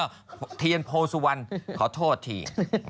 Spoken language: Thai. ก็เทียนโพสุวรรณขอโทษที